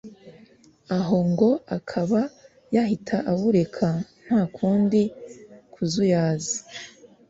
aho ngo akaba yahita awureka ntakundi kuzuyaza